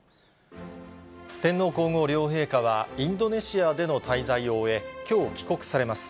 天皇皇后両陛下は、インドネシアでの滞在を終え、きょう、帰国されます。